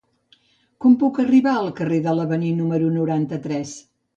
Com puc arribar al carrer de l'Avenir número noranta-tres?